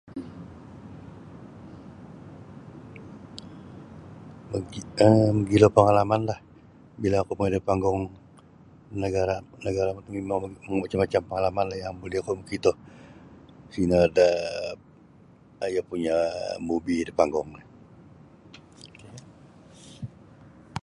Moki um mogilo pangalamanlah bila oku mongoi da panggung nagara' nagara mimang macam-macam pangalamanlah yang buli oku makito sino do iyo punyo movie da panggung ri.